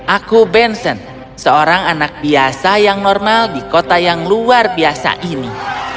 aku benson seorang anak biasa yang normal di kota yang luar biasa ini